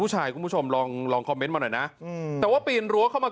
ผู้ชายคุณผู้ชมลองลองมาหน่อยน่ะอืมแต่ว่าปีนรั้วเข้ามา